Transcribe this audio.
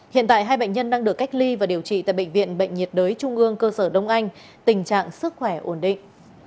hiện tại hai bệnh nhân đang được cách ly và điều trị tại bệnh viện bệnh nhiệt đới trung ương cơ sở đông anh tình trạng sức khỏe ổn định